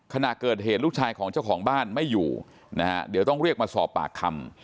ขณะเกิดเหตุลูกชายของเจ้าของบ้านไม่อยู่นะฮะเดี๋ยวต้องเรียกมาสอบปากคำ